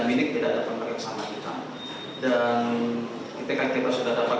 ini bisa ditandakan tekankun gangaya